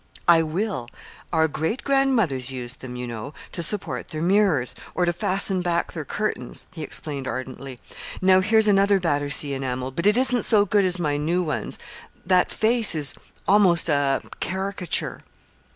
"I will. Our great grandmothers used them, you know, to support their mirrors, or to fasten back their curtains," he explained ardently. "Now here's another Battersea enamel, but it isn't so good as my new ones that face is almost a caricature."